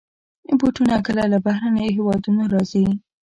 بوټونه کله له بهرنيو هېوادونو راځي.